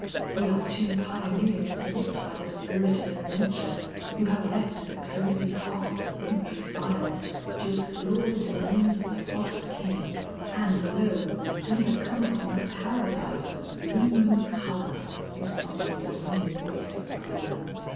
"We are two pioneers lit by the spirit of adventure, who have left the cosy hearth of wintry fires to explore the domains of the frost king, and lo, we have come upon a Paradise of bloom and color!" responded the ringing voice of Paula.